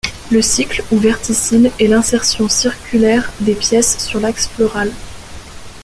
Le cycle, ou verticille, est l'insertion circulaire des pièces sur l'axe floral.